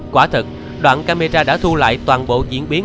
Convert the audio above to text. quả thực đoạn camera đã thu lại toàn bộ diễn biến